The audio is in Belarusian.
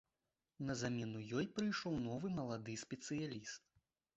На замену ёй прыйшоў новы малады спецыяліст.